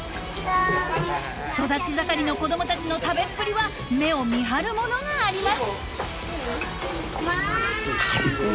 ［育ち盛りの子供たちの食べっぷりは目を見張るものがあります］